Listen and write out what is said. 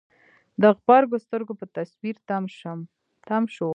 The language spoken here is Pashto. د غبرګو سترګو په تصوير تم شو.